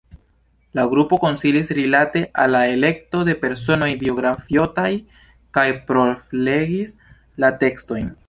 La grupo konsilis rilate al la elekto de personoj biografiotaj kaj provlegis la tekstojn.